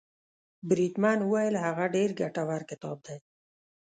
بریدمن وویل هغه ډېر ګټور کتاب دی.